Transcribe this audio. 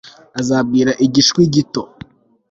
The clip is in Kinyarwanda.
azabwira igishwi gito